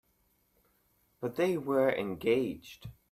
But they were engaged.